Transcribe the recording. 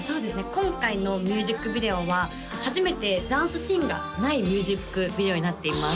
今回のミュージックビデオは初めてダンスシーンがないミュージックビデオになっています